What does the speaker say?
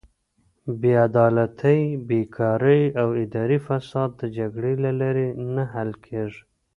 بېعدالتي، بېکاري او اداري فساد د جګړې له لارې نه حل کیږي.